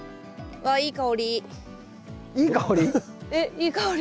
いい香り？